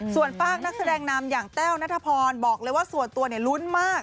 ส่วนฝากนักแสดงนำอย่างแต้วนัทพรบอกเลยว่าส่วนตัวลุ้นมาก